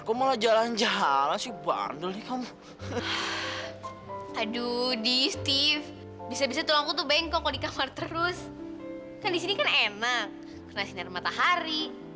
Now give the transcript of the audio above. kena sinar matahari